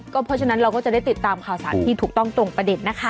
เพราะฉะนั้นเราก็จะได้ติดตามข่าวสารที่ถูกต้องตรงประเด็นนะคะ